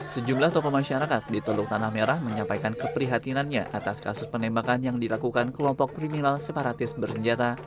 sejumlah tokoh masyarakat di teluk tanah merah menyampaikan keprihatinannya atas kasus penembakan yang dilakukan kelompok kriminal separatis bersenjata